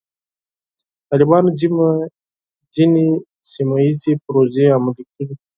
طالبانو ځینې سیمه ییزې پروژې عملي کړې.